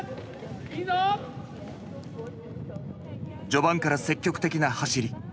序盤から積極的な走り。